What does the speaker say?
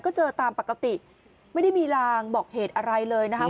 ก็เจอตามปกติไม่ได้มีลางบอกเหตุอะไรเลยนะคะ